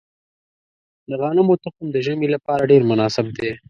د غنمو تخم د ژمي لپاره ډیر مناسب دی.